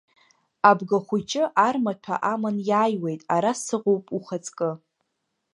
Абгахәыҷы армаҭәа аман иааиуеит ара сыҟоуп ухаҵкы.